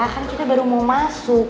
kan kita baru mau masuk